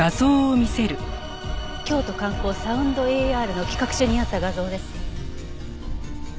京都観光サウンドＡＲの企画書にあった画像です。